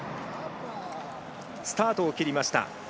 スタートを切りました。